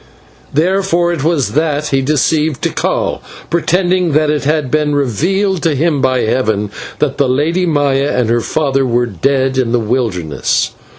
Therefore it was that he deceived Tikal, pretending that it had been revealed to him by heaven that the Lady Maya and her father were dead in the wilderness.